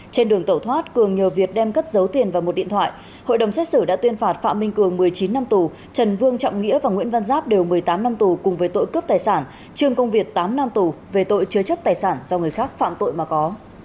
trên đường tẩu thoát cường nhờ việt đem cất dấu tiền và một điện thoại hội đồng xét xử đã tuyên phạt phạm minh cường một mươi chín năm tù trần vương trọng nghĩa và nguyễn văn giáp đều một mươi tám năm tù cùng với tội cướp tài sản trương công việt tám năm tù về tội chứa chấp tài sản do người khác phạm tội mà có